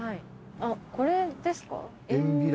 あっこれですか？